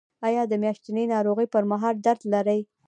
ایا د میاشتنۍ ناروغۍ پر مهال درد لرئ؟